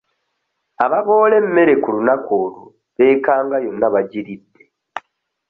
Ababoola emmere ku lunaku olwo beekanga yonna bagiridde.